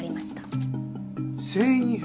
繊維片？